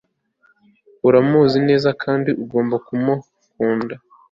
Uramuzi neza kandi ugomba kumukunda